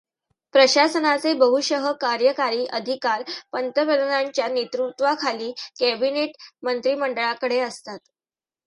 प्रशासनाचे बहुशः कार्यकारी अधिकार पंतप्रधानांच्या नेतृत्त्वाखालील कॅबिनेट मंत्रिमंडळाकडे असतात.